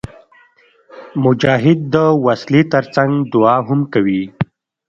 مجاهد د وسلې تر څنګ دعا هم کوي.